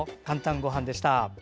「かんたんごはん」でした。